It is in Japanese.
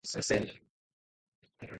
ジャニーズ事務所